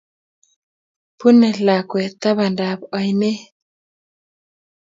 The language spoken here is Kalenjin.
Bunei lakwet tapandap oinet